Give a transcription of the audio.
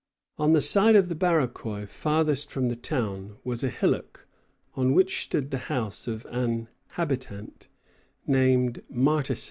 On the side of the Barachois farthest from the town was a hillock on which stood the house of an habitant named Martissan.